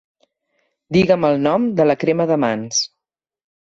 Digue'm el nom de la crema de mans.